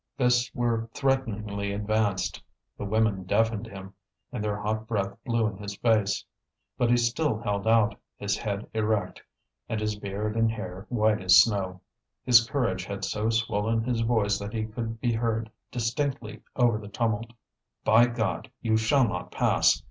Fists were threateningly advanced, the women deafened him, and their hot breath blew in his face. But he still held out, his head erect, and his beard and hair white as snow; his courage had so swollen his voice that he could be heard distinctly over the tumult. "By God! you shall not pass!